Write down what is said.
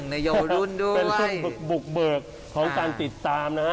เป็นรุ่นบุกเบิกของการติดตามนะฮะ